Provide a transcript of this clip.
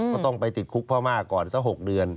ก็ต้องไปติดคุกพม่าก่อนสัก๖เดือน